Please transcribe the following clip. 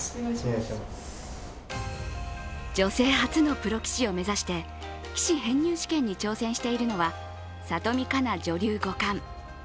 女性初のプロ棋士を目指して棋士編入試験に挑戦しているのは里見香奈女流五冠。